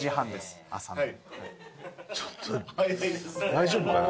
大丈夫かな。